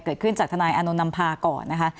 เกิดขึ้นจากธนายอานนมภาก่อนนะคะ